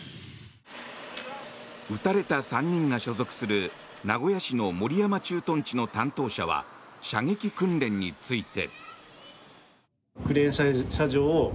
撃たれた３人が所属する名古屋市の守山駐屯地の担当者は射撃訓練について。